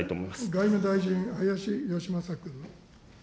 外務大臣、林芳正君。